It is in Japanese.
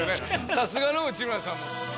さすがの内村さんも。